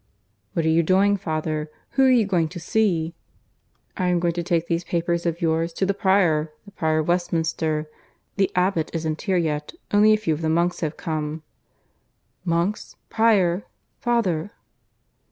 "What are you doing, father? Who are you going to see?" "I am going to take these papers of yours to the Prior the Prior of Westminster. The Abbot isn't here yet. Only a few of the monks have come." "Monks! Prior! ... Father!"